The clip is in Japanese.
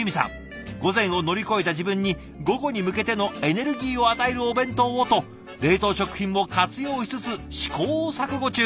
「午前を乗り越えた自分に午後に向けてのエネルギーを与えるお弁当を」と冷凍食品も活用しつつ試行錯誤中。